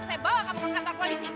saya bawa ke kantor polisi